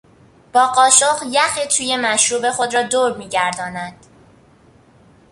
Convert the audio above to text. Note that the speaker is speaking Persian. با قاشق، یخ توی مشروب خود را دور میگرداند.